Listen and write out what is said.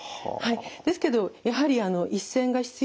ですけどやはり一線が必要です。